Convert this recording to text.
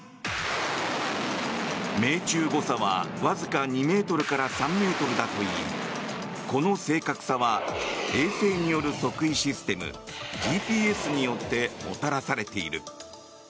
命中誤差はわずか２ｍから３ｍだといいこの正確さは衛星による測位システム、ＧＰＳによってもたらされている。